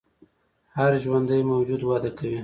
هر ژوندی موجود وده کوي